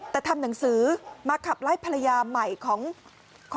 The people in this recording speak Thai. แต่ทำหนังสือมาขับไล่ภรรยาใหม่ของ